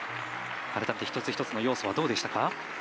改めて一つ一つの要素はどうでしたか？